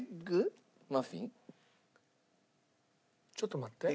ちょっと待って。